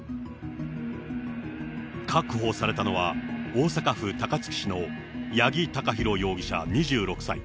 確保されたのは、大阪府高槻市の八木貴寛容疑者２６歳。